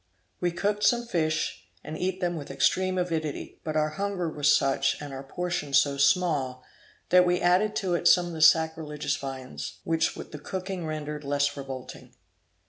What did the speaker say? We cooked some fish and eat them with extreme avidity; but our hunger was such, and our portion so small, that we added to it some of the sacrilegious viands, which the cooking rendered less revolting.